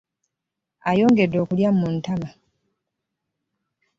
Ayongedde okulya mu ttama